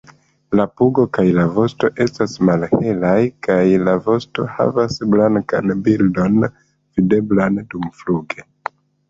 La pugo kaj vosto estas malhelaj, kaj la vosto havas blankan bildon videblan dumfluge.